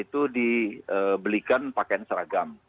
itu di belikan pakaian seragam